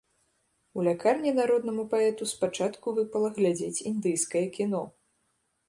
У лякарні народнаму паэту спачатку выпала глядзець індыйскае кіно.